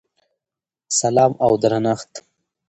سلام او درنښت!!!